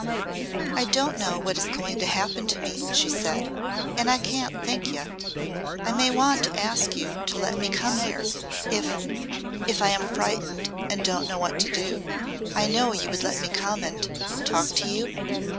"I don't know what is going to happen to me," she said. "I can't think yet. I may want to ask you to let me come here if if I am frightened and don't know what to do. I know you would let me come and talk to you